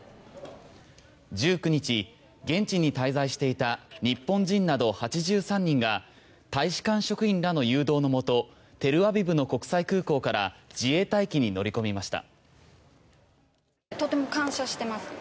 １９日、現地に滞在していた日本人など８３人が大使館職員らの誘導のもとテルアビブの国際空港から自衛隊機に乗り込みました。